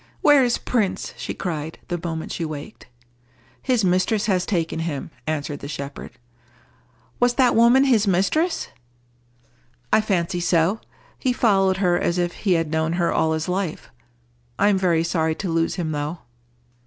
"Where is Prince?" she cried, the moment she waked. "His mistress has taken him," answered the shepherd. "Was that woman his mistress?" "I fancy so. He followed her as if he had known her all his life. I am very sorry to lose him, though."